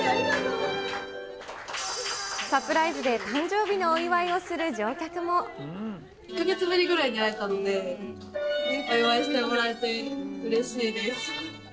サプライズで誕生日のお祝い１か月ぶりぐらいに会えたんで、お祝いしてもらえてうれしいです。